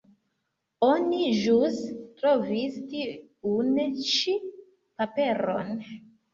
Oni ĵus trovis tiun ĉi paperon.